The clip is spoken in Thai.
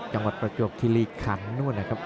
จังหวัดประจวบขิริคัน